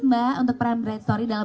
mbak untuk peran bright story dalam